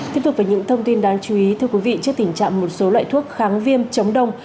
tiếp tục với những thông tin đáng chú ý thưa quý vị trước tình trạng một số loại thuốc kháng viêm chống đông